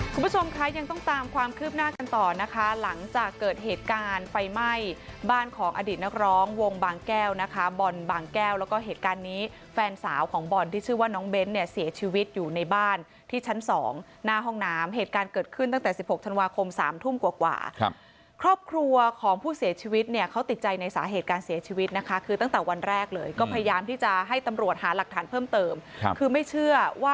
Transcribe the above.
คุณผู้ชมค่ะยังต้องตามความคืบหน้ากันต่อนะคะหลังจากเกิดเหตุการณ์ไฟไหม้บ้านของอดีตนครองวงบางแก้วนะคะบ่อนบางแก้วแล้วก็เหตุการณ์นี้แฟนสาวของบ่อนที่ชื่อว่าน้องเบ้นท์เนี่ยเสียชีวิตอยู่ในบ้านที่ชั้น๒หน้าห้องน้ำเหตุการณ์เกิดขึ้นตั้งแต่๑๖ธันวาคม๓ทุ่มกว่าครอบครัวของผู้เสียชีวิตเน